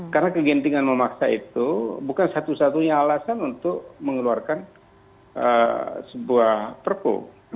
karena kegentilan memaksa itu bukan satu satunya alasan untuk mengeluarkan sebuah perpu